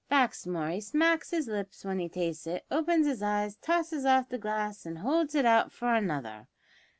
Baxmore he smacks his lips when he tastes it, opens his eyes, tosses off the glass, and holds it out for another.